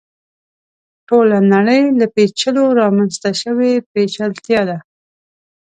ټوله نړۍ له پېچلو رامنځته شوې پېچلتیا ده.